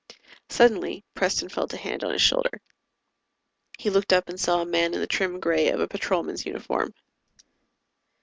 Suddenly, Preston felt a hand on his shoulder. He looked up and saw a man in the trim gray of a Patrolman's uniform.